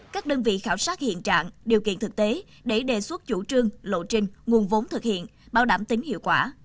các đơn vị khảo sát hiện trạng điều kiện thực tế để đề xuất chủ trương lộ trình nguồn vốn thực hiện bảo đảm tính hiệu quả